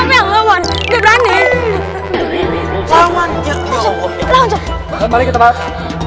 mau pilih yang lawan gitu aja nih